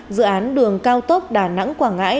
dự án đường cao tốc đà nẵng quảng ngãi